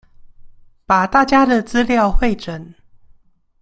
把大家的資料彙整